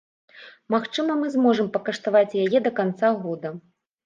Магчыма, мы зможам пакаштаваць яе да канца года.